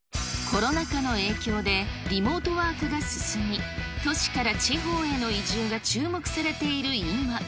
コロナ禍の影響で、リモートワークが進み、都市から地方への移住が注目されている今。